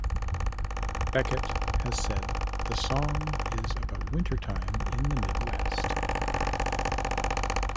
Beckett has said the song is about winter time in the Midwest.